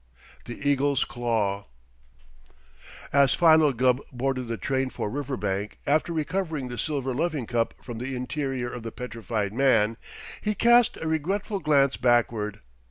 THE EAGLE'S CLAWS As Philo Gubb boarded the train for Riverbank after recovering the silver loving cup from the interior of the petrified man, he cast a regretful glance backward.